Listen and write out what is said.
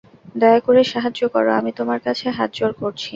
দয়া করে সাহায্য করো, আমি তোমার কাছে হাতজোড় করছি!